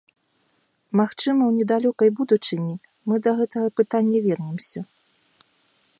Магчыма, у недалёкай будучыні мы да гэтага пытання вернемся.